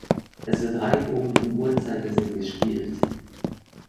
Es wird reihum im Uhrzeigersinn gespielt.